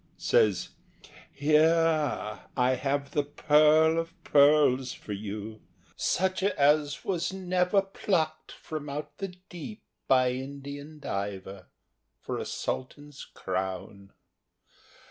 Says, HERE, I HAVE THE PEARL OF PEARLS FOR YOU, SUCH AS WAS NEVER PLUCKED FROM OUT THE DEEP BY INDIAN DIVER, FOR A SULTAN'S CROWN.